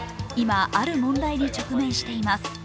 今、ある問題に直面しています。